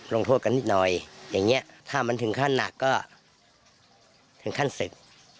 ลงโทษกันนิดหน่อยอย่างนี้ถ้ามันถึงขั้นหนักก็ถึงขั้นศึก